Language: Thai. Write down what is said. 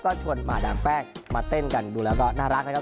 ก็ชวนหมาดามแป้งมาเต้นกันดูแล้วก็น่ารักนะครับ